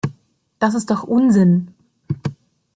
Das ist doch Unsinn!